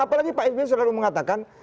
apalagi pak s b selalu mengatakan